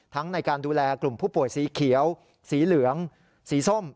ในการดูแลกลุ่มผู้ป่วยสีเขียวสีเหลืองสีส้ม